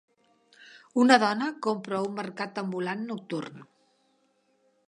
Una dona compra a un mercat ambulant nocturn.